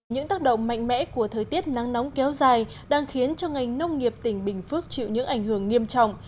những tác động mạnh mẽ của thời tiết nắng nóng kéo dài đang khiến cho ngành nông nghiệp tỉnh bình phước chịu những ảnh hưởng nghiêm trọng